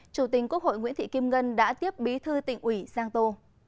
chủ tịch quốc hội nguyễn thị kim ngân đã tiếp bí thư tỉnh ủy giang tô